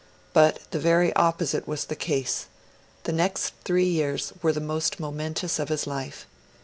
But the very opposite was the case; the next three years were the most momentous of his life.